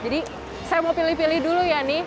jadi saya mau pilih pilih dulu ya nih